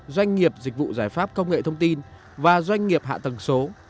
doanh nghiệp dịch vụ giải pháp công nghệ thông tin và doanh nghiệp hạ tầng số